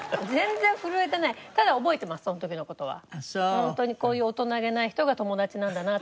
ホントにこういう大人げない人が友達なんだなって思って。